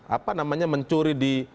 apa namanya mencuri di